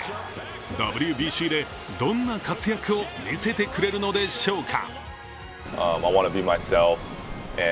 ＷＢＣでどんな活躍を見せてくれるのでしょうか。